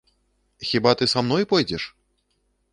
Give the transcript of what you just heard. Хіба ты са мной пойдзеш?!